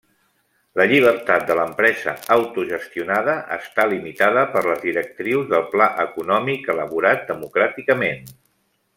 La llibertat de l'empresa autogestionada està limitada per les directrius del pla econòmic elaborat democràticament.